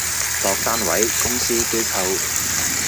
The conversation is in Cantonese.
各單位，公司，機構